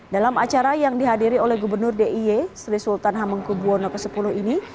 dalam acara yang dihadiri oleh gubernur d i e sri sultan hamengkubwono x ini